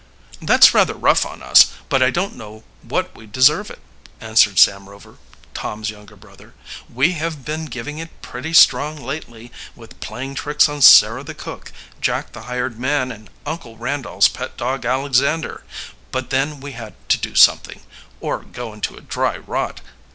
"That's rather rough on us, but I don't know but what we deserve it," answered Sam Rover, Tom's younger brother. "We have been giving it pretty strong lately, with playing tricks on Sarah the cook, Jack the hired man, and Uncle Randolph's pet dog Alexander. But then we had to do something or go into a dry rot.